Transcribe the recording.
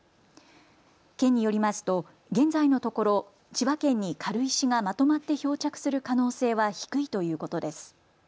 県によりますと現在のところ千葉県に軽石がまとまって漂着する可能性は低いということです。